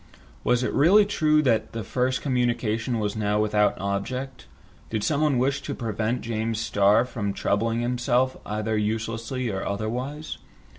Was it really true that the first communication was now without object? Did someone wish to prevent James Starr from troubling himself either uselessly or otherwise?